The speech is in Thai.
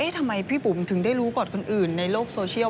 ทำไมพี่บุ๋มถึงได้รู้ก่อนคนอื่นในโลกโซเชียล